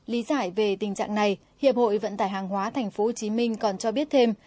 lý giải về tình trạng này hiệp hội vận tải hàng hóa tp hcm còn cho biết thêm